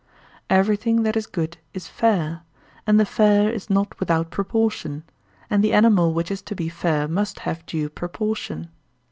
Everything that is good is fair, and the fair is not without proportion, and the animal which is to be fair must have due proportion.